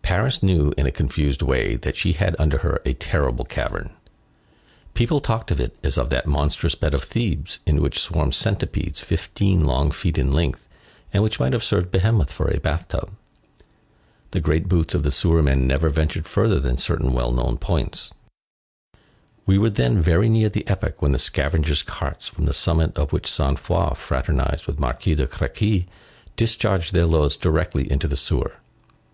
Paris knew, in a confused way, that she had under her a terrible cavern. People talked of it as of that monstrous bed of Thebes in which swarmed centipedes fifteen long feet in length, and which might have served Behemoth for a bathtub. The great boots of the sewermen never ventured further than certain well known points. We were then very near the epoch when the scavenger's carts, from the summit of which Sainte Foix fraternized with the Marquis de Créqui, discharged their loads directly into the sewer.